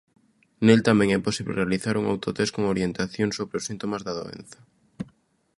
Nel tamén é posible realizar un autotest con orientacións sobre os síntomas da doenza.